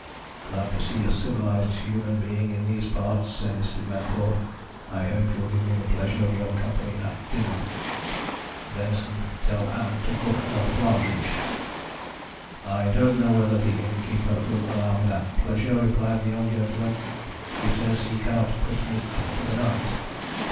'Glad to see a civilised human being in these parts,' said Mr. Glenthorpe. 'I hope you'll give me the pleasure of your company at dinner. Benson, tell Ann to cook another partridge.' 'I don't know whether the innkeeper will allow me that pleasure,' replied the young gentleman. 'He says he cannot put me up for the night.'